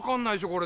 これ。